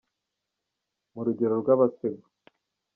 Mu rugero rw’abasengo.